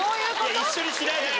一緒にしないでくれ。